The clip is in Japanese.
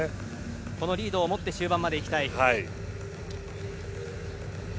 このリードを持って終盤まで行きたい。